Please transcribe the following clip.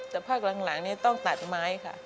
แต่ภาคหลังนี้ต้องตัดไม้ค่ะ